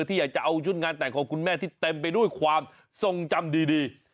ที่อยากจะเอาชุดงานแต่งของคุณแม่ที่เต็มไปด้วยความทรงจำดี